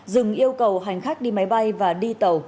dừng yêu cầu hành khách đi máy bay và đi tàu